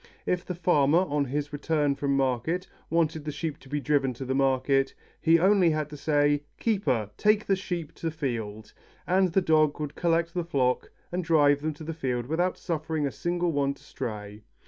If the farmer, on his return from market, wanted the sheep to be driven to the field, he had only to say, "Keeper, take the sheep to field," and the dog would collect the flock and drive them to the field without suffering a single one to stray.